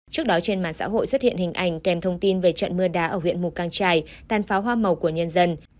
trước đó trên mạng xã hội xuất hiện hình ảnh kèm thông tin về trận mưa đá ở huyện mù căng trải tàn phá hoa màu của nhân dân